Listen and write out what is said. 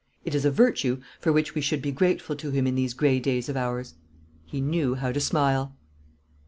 It is a virtue for which we should be grateful to him in these gray days of ours: he knew how to smile!"